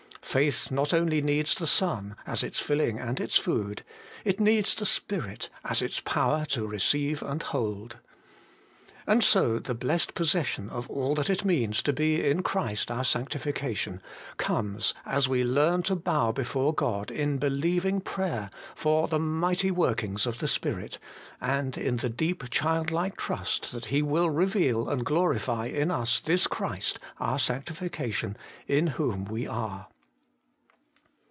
Faith not only needs the Son as its filling and its food ; it needs the Spirit as its power to receive and hold. And so the blessed possession of all that it means to be in Christ our sanctification comes as we learn to bow before God in believing prayer for the mighty workings of the Spirit, and in the deep childlike trust that He will reveal and glorify in us this Christ our sanctification in whom we are.